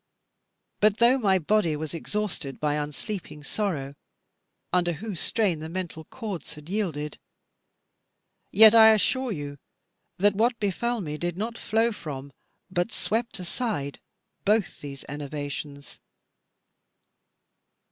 But though my body was exhausted by unsleeping sorrow, under whose strain the mental chords had yielded, yet I assure you that what befell me did not flow from but swept aside both these enervations.